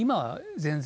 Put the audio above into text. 全然。